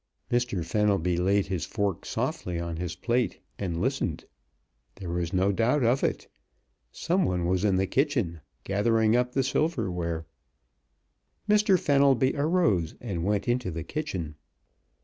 Mr. Fenelby laid his fork softly on his plate and listened. There was no doubt of it. Someone was in the kitchen, gathering up the silverware. Mr. Fenelby arose and went into the kitchen.